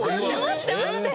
待って待って。